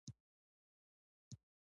د افغان تاجک نفتي حوزه هم تیل لري.